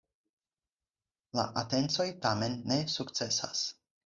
La atencoj tamen ne sukcesas.